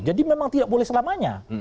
jadi memang tidak boleh selamanya